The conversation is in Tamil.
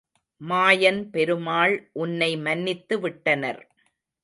மாயன் பெருமாள் உன்னை மன்னித்து விட்டனர்.